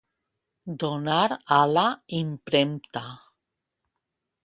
Donar a la impremta.